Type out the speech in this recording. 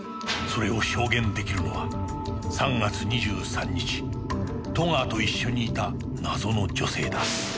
それを証言出来るのは３月２３日戸川と一緒にいた謎の女性だ